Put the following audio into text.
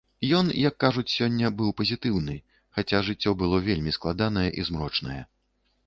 Ён, як кажуць сёння, быў пазітыўны, хаця жыццё было вельмі складанае і змрочнае.